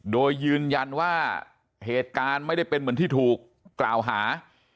โดยยืนยันว่าเหตุการณ์ไม่ได้เป็นเหมือนที่ถูกกล่าวหา